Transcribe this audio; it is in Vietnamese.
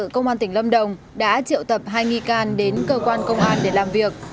công an tỉnh lâm đồng đã triệu tập hai nghi can đến cơ quan công an để làm việc